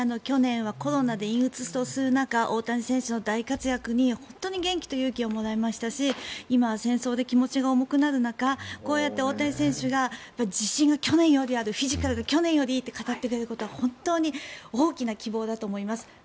去年はコロナで陰鬱とする中大谷選手の大活躍に本当に元気と勇気をもらいましたし今、戦争で気持ちが重くなる中こうやって大谷選手が自信が去年よりあるフィジカルが去年よりいいと語ってくれることは本当に大きな希望だと思います。